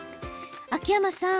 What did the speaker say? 秋山さん